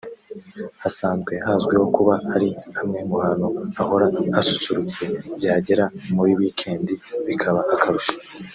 Hasanzwe hazwiho kuba ari hamwe mu hantu hahora hasusurutse byagera muri week-end bikaba akarusho